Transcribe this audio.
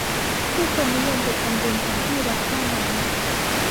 ผู้คนนิยมไปทำบุญกันที่วัดท่าไม้